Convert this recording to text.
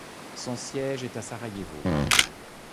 Son siège est à Sarajevo.